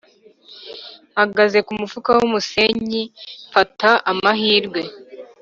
mpagaze kumufuka wumusenyi mfata amahirwe;